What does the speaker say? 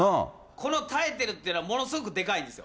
この耐えてるってのは、ものすごくでかいんですよ。